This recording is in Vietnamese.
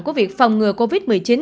của việc phòng ngừa covid một mươi chín